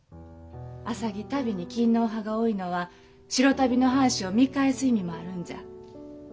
浅葱足袋に勤皇派が多いのは白足袋の藩士を見返す意味もあるんじゃ。